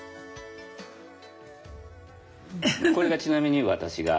これがちなみに私が。